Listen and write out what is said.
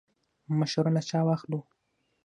مشوره له چا واخلو؟